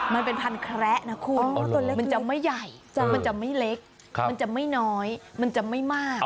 มันเป็นพันธุ์แคระนะมันจะไม่ใหญ่จะไม่เล็กจะไม่น้อยจะไม่มาก